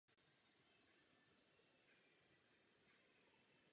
Někdo nyní dostal zprávu, že je to důležité.